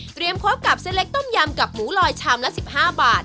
พบกับเส้นเล็กต้มยำกับหมูลอยชามละ๑๕บาท